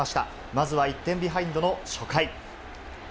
まずは１点ビハインドの初回。